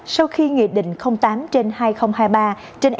sau khi nghị định tám trên hai nghìn hai mươi ba